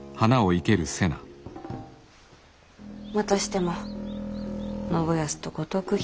またしても信康と五徳姫。